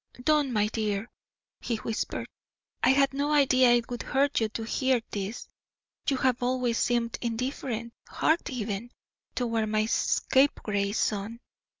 "Don't, my dear," he whispered. "I had no idea it would hurt you to hear this. You have always seemed indifferent, hard even, toward my scapegrace son.